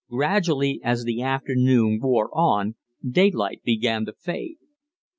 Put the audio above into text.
Gradually, as the afternoon wore on, daylight began to fade.